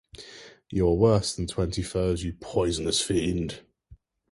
You are worse than twenty foes, you poisonous friend!